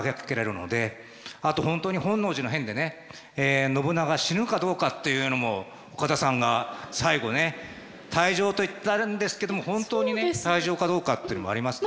あと本当に本能寺の変でね信長が死ぬかどうかっていうのも岡田さんが最後ね退場と言ったんですけども本当にね退場かどうかっていうのもありますからね。